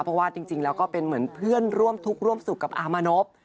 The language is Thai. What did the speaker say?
เพราะว่าจริงแล้วก็เป็นเหมือนเพื่อนร่วมทุกข์ร่วมสุขกับอามนพ